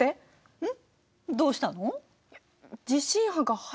うん。